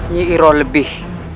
nyi iroh lebih